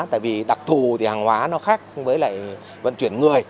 tại vì đặc thù thì hàng hóa nó khác với lại vận chuyển người